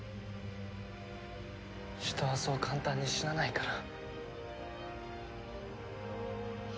人はそう簡単に死なないから。